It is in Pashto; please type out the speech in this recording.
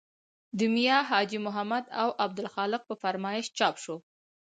د میا حاجي محمد او عبدالخالق په فرمایش چاپ شو.